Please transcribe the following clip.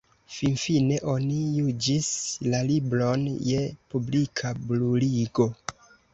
Finfine oni juĝis la libron je publika bruligo.